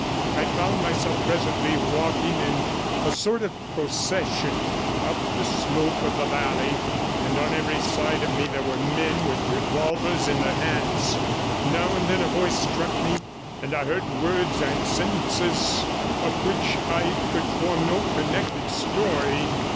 I found myself presently walking in a sort of procession up the slope of the 30 valley, and on every side of me there were men with revolvers in their hands. Now and then a voice struck me, and I heard words and sentences of which I could form no connected story.